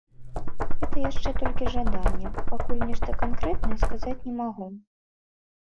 Гэта яшчэ толькі жаданне, пакуль нешта канкрэтнае сказаць не магу.